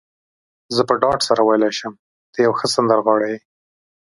زه په ډاډ سره ویلای شم، ته یو ښه سندرغاړی يې.